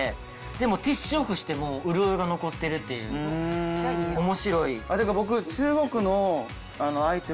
でもティッシュオフしても潤いが残ってるっていう面白い。